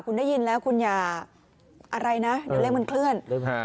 คุณได้ยินแล้วคุณอย่าอะไรนะเดี๋ยวเลขมันเคลื่อน